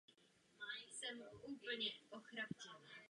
Podle výzvy se šachové kompozice dělí na úlohy a studie.